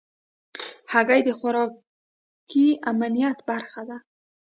هګۍ د خوراکي امنیت برخه ده.